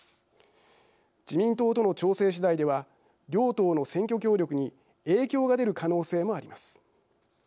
自民党との調整次第では両党の選挙協力に影響が出る可能性もあります。